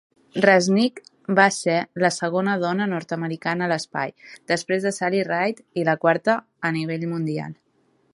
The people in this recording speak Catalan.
Resnik va ser la segona dona nord-americana a l'espai, després de Sally Ride, i la quarta a nivell mundial.